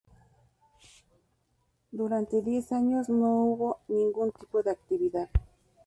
Durante diez años no hubo ningún tipo de actividad.